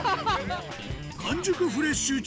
完熟フレッシュ父